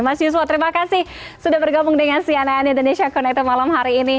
mas yuswo terima kasih sudah bergabung dengan cnn indonesia connected malam hari ini